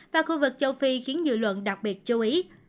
và khu vực châu phi khiến dư luận đặc biệt chú ý